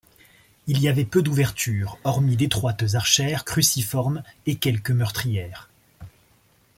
Il y avait peu d’ouvertures, hormis d’étroites archères cruciformes et quelques meurtrières.